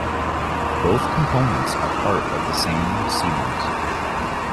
Both components are part of the same seamount.